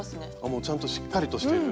もうちゃんとしっかりとしてる。